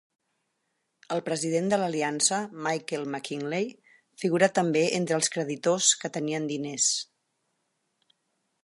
El president de l'Aliança, Michael McKinley, figura també entre els creditors que tenien diners.